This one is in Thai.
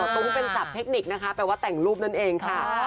ตรงนี้เป็นศัพทเทคนิคนะคะแปลว่าแต่งรูปนั่นเองค่ะ